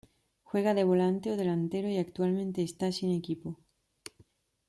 Juega de volante o delantero y actualmente está sin equipo.